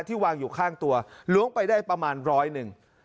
วางอยู่ข้างตัวล้วงไปได้ประมาณร้อยหนึ่ง